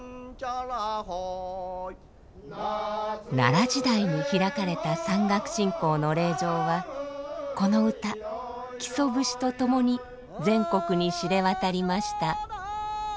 奈良時代に開かれた山岳信仰の霊場はこの歌「木曽節」とともに全国に知れ渡りました。